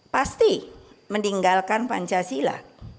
pasti meninggalkan pancasila